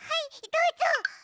どうぞ！